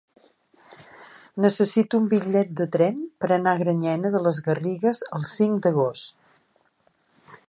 Necessito un bitllet de tren per anar a Granyena de les Garrigues el cinc d'agost.